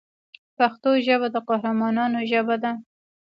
پښتو ژبه د قهرمانانو ژبه ده.